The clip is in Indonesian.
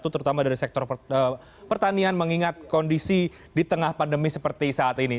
terutama dari sektor pertanian mengingat kondisi di tengah pandemi seperti saat ini